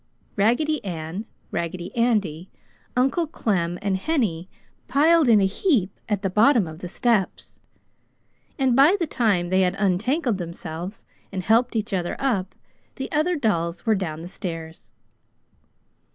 Raggedy Ann, Raggedy Andy, Uncle Clem and Henny piled in a heap at the bottom of the steps, and by the time they had untangled themselves and helped each other up, the other dolls were down the stairs.